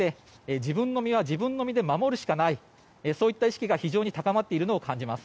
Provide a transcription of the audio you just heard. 自分の身は自分の身で守るしかないそういった意識が非常に高まっているのを感じます。